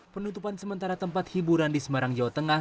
penutupan sementara tempat hiburan di semarang jawa tengah